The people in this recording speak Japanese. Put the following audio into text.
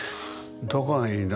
どこがいいの？」